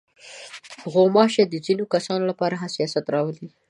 غوماشې د ځينو کسانو لپاره حساسیت راولي.